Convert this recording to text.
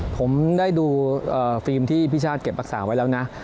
ผมได้ดูฟิล์มที่พี่ชาติเก็บรักษาไว้แล้วนะ